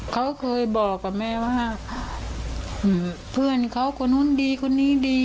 เขาเคยบอกกับแม่ว่าเพื่อนเขาคนนู้นดีคนนี้ดี